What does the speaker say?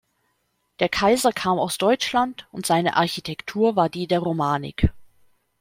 Der Kaiser kam aus Deutschland und seine Architektur war die der Romanik.